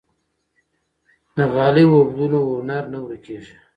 که غالۍ ووبدو نو هنر نه ورکيږي.